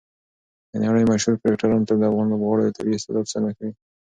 د نړۍ مشهور کرکټران تل د افغان لوبغاړو د طبیعي استعداد ستاینه کوي.